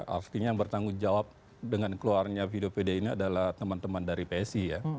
artinya yang bertanggung jawab dengan keluarnya video pd ini adalah teman teman dari psi ya